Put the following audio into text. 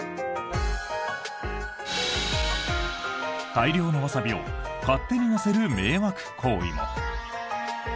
大量のワサビを勝手に乗せる迷惑行為も。